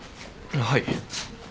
はい。